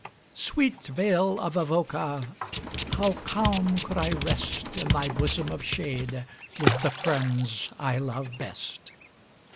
Sweet vale of Avoca! how calm could I rest In thy bosom of shade, with the friends I love best.